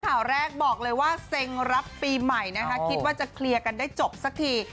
ข่าวแรกบอกเลยว่าเซ็งรับปีใหม่นะคะคิดว่าจะเคลียร์กันได้จบสักที